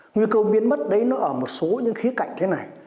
nguy cơ biến mất đấy nó ở một số những khía cạnh thế này